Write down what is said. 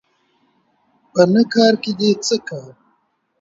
په نه کارکې دې څه کار